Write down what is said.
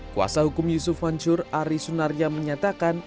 kuasa hukum yusuf mansur ari sunaria menyatakan